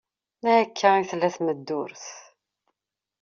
Akka i tella tmeddurt!